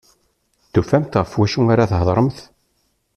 Tufamt ɣef wacu ara thedremt.